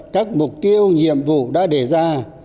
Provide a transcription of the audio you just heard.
các mục tiêu nhiệm vụ đã đề ra